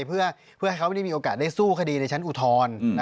เพื่อให้เขาไม่ได้มีโอกาสได้สู้คดีในชั้นอุทธรณ์